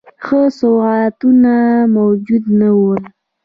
ښه سوغاتونه موجود نه وه.